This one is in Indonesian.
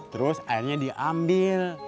terus airnya diambil